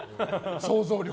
想像力。